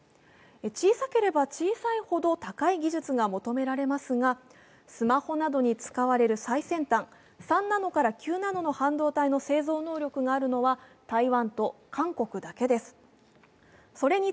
小さければ小さいほど高い技術が求められますがスマホなどに使われる最先端、３ナノから９ナノの半導体の製造能力があるのは台湾と韓国だけです。